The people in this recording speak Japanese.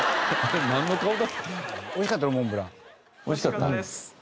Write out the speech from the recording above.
美味しかったです。